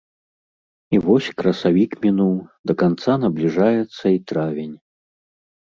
І вось красавік мінуў, да канца набліжаецца і травень.